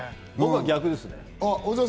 僕は逆ですね。